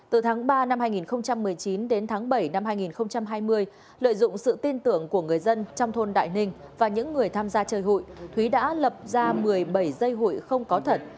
từ tháng ba năm hai nghìn một mươi chín đến tháng bảy năm hai nghìn hai mươi lợi dụng sự tin tưởng của người dân trong thôn đại ninh và những người tham gia chơi hụi thúy đã lập ra một mươi bảy dây hụi không có thật